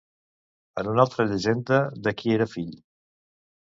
En una altra llegenda, de qui era fill?